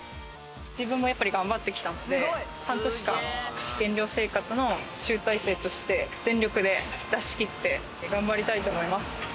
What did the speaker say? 自分も、やっぱり頑張ってきたので半年間、減量生活の集大成として、全力で出し切って頑張りたいと思います。